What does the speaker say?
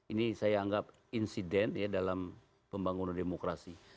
ini saya anggap insiden ya dalam pembangunan demokrasi